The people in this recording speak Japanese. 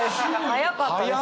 速かったですね！